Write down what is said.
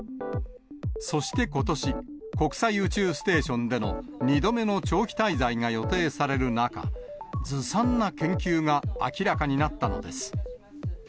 そしてことし、国際宇宙ステーションでの２度目の長期滞在が予定される中、ずさんな研究が明らかになったのです。